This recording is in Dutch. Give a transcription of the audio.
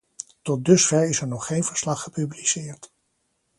Tot dusver is er nog geen verslag gepubliceerd.